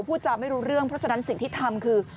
พูดจาไม่รู้เรื่องเพราะฉะนั้นสิ่งที่ทำคือ